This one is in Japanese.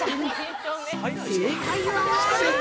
◆正解は？